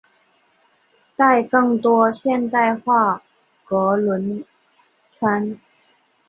带更多现代风格轮圈。